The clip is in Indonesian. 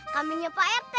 kaminya pak rt